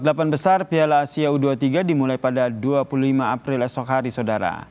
delapan besar piala asia u dua puluh tiga dimulai pada dua puluh lima april esok hari saudara